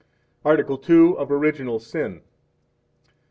Article II. Of Original Sin.